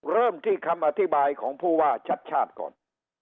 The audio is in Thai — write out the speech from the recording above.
เริ่มที่คำอธิบายของผู้ว่าชัดชาติก่อน